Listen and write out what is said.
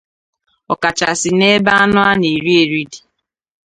ọ kachasị n'ebe anụ a na-eri eri dị.